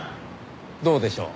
どうでしょう。